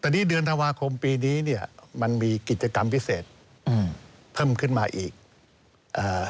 แต่นี่เดือนธันวาคมปีนี้เนี้ยมันมีกิจกรรมพิเศษอืมเพิ่มขึ้นมาอีกอ่า